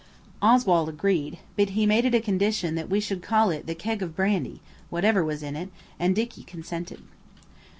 Oswald agreed, but he made it a condition that we should call it the keg of brandy, whatever was in it, and Dicky consented.